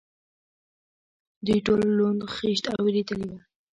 دوی ټول لوند، خېشت او وېرېدلي و.